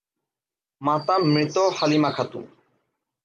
মাতা মৃত হালিমা খাতুন।